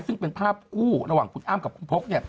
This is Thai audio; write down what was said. ซึ่งเป็นภาพคู่ระหว่างคุณอ้ำกับคุณพก